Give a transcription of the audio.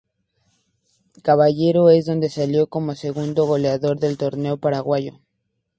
Caballero en donde salió como segundo goleador del torneo paraguayo.